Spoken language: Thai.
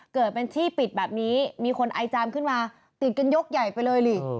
เกิดเป็นที่ปิดแบบนี้มีคนไอจามขึ้นมาติดกันยกใหญ่ไปเลยดิ